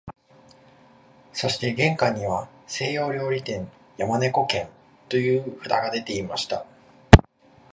そして玄関には西洋料理店、山猫軒という札がでていました